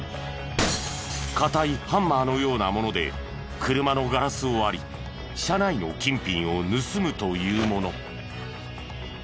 硬いハンマーのようなもので車のガラスを割り車内の金品を盗むというもの。